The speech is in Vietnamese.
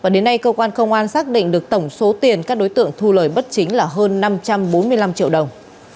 đến nay cơ quan công an xác định được tổng số tiền các đối tượng thu lời bất chính là hơn năm trăm bốn mươi năm triệu đồng